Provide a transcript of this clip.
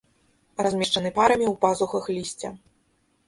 Размешчаны парамі ў пазухах лісця.